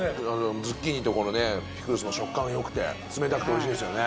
ズッキーニとこのねピクルスも食感が良くて冷たくておいしいですよね・